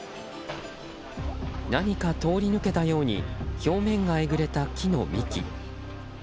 何か通り抜けたように表面がえぐれた木の幹。